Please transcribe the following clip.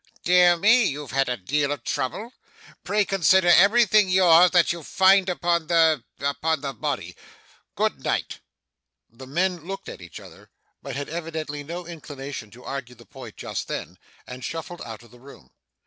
'Dear me, you've had a deal of trouble. Pray consider everything yours that you find upon the upon the body. Good night!' The men looked at each other, but had evidently no inclination to argue the point just then, and shuffled out of the room.